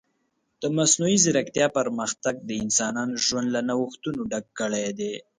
د مصنوعي ځیرکتیا پرمختګ د انسانانو ژوند له نوښتونو ډک کړی دی.